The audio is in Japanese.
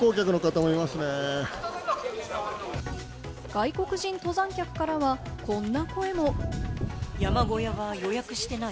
外国人登山客からはこんな声も。